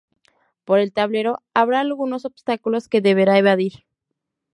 Por el tablero habrá algunos obstáculos que deberá evadir.